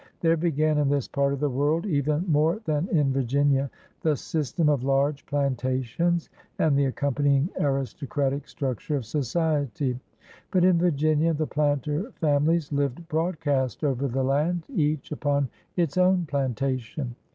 There b^an, in this part of the world, even more than in Virginia, the system of large plantations and the accompanying aristocratic structure of society. But in Virginia the planter families lived broadcast over the land, each upon its own plantation.